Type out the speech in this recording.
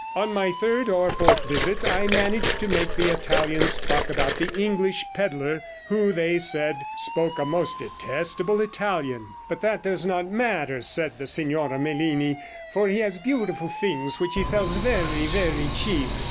On my third or fourth visit I managed to make the Italians talk about the English pedlar, who, they said, spoke a most detestable Italian. "But that does not matter," said the Signora Melini, "for he has beautiful things, which he sells very, very cheap."